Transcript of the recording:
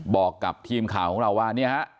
บอกกับทีมข่าวเราว่า